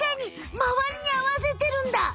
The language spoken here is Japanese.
まわりにあわせてるんだ。